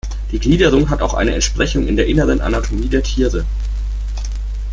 Die Gliederung hat auch eine Entsprechung in der inneren Anatomie der Tiere.